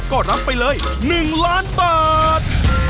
ก็รับไปเลย๑ล้านบาท